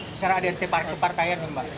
secara adn ke partaian